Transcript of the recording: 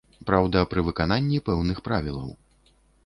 Праўда, пры выкананні пэўных правілаў.